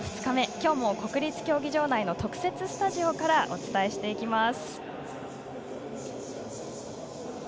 今日も国立競技場内の特設スタジオからお伝えします。